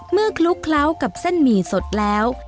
คลุกเคล้ากับเส้นหมี่สดแล้ว